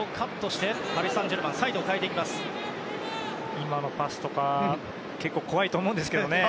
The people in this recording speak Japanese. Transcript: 今のパスとか結構、怖いと思うんですけど。